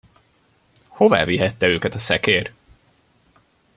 Hová vihette őket a szekér?